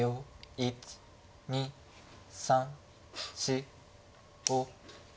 １２３４５。